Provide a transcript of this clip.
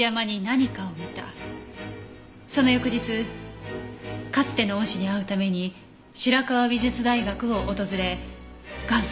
その翌日かつての恩師に会うために白河美術大学を訪れ贋作を発見。